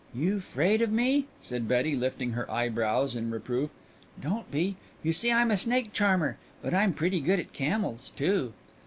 "You 'fraid of me?" said Betty, lifting her eyebrows in reproof. "Don't be. You see I'm a snake charmer, but I'm pretty good at camels too."